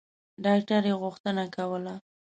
ډاکټر یې غوښتنه کوله.